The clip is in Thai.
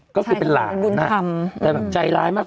ก็คือเป็นหลากนะครับใจร้ายมาก